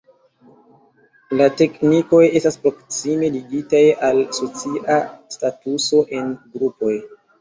La teknikoj estas proksime ligitaj al socia statuso en grupoj.